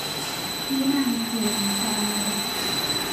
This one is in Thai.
วิมานเพลิง - สราญรส